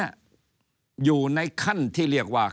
อยู่ในขั้นที่เรียกว่า